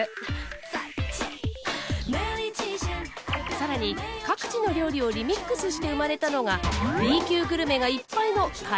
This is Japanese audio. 更に各地の料理をリミックスして生まれたのがＢ級グルメがいっぱいの台湾料理。